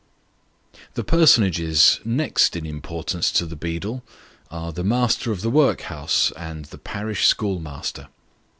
The personages next in importance to the beadle, are the master of the workhouse and the parish schoolmaster.